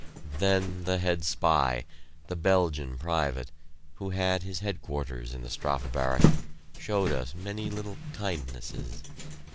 Then the head spy, the Belgian private, who had his headquarters in the Strafe Barrack, showed us many little kindnesses.